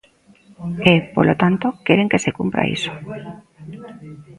E, polo tanto, queren que se cumpra iso.